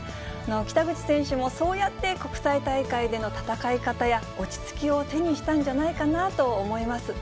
北口選手もそうやって国際大会での戦い方や落ち着きを手にしたんじゃないかなと思います。